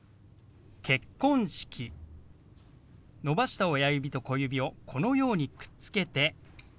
伸ばした親指と小指をこのようにくっつけて。